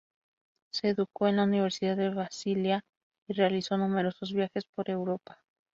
Se educó en la Universidad de Basilea y realizó numerosos viajes por Europa.